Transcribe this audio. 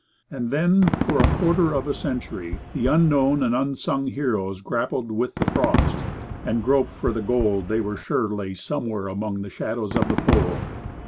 And then, for a quarter of a century, the unknown and unsung heroes grappled with the frost, and groped for the gold they were sure lay somewhere among the shadows of the Pole.